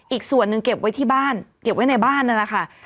อีกส่วนหนึ่งเก็บไว้ที่บ้านเก็บไว้ในบ้านนั่นแหละค่ะ